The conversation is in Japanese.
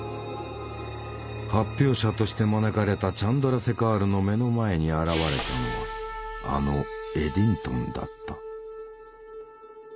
発表者として招かれたチャンドラセカールの目の前に現れたのはあのエディントンだった。